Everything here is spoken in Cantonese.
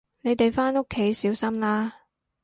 你哋返屋企小心啦